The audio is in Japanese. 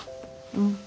うん。